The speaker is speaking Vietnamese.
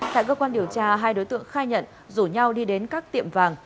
tại cơ quan điều tra hai đối tượng khai nhận rủ nhau đi đến các tiệm vàng